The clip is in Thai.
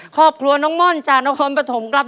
ครอบครัวน้องม่อนจากนครปฐมครับ